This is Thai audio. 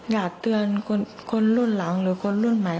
อยากเตือนคนรุ่นหลังหรือคนรุ่นใหม่